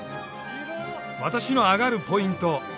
私のアガるポイント。